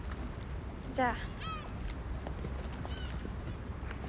じゃあ。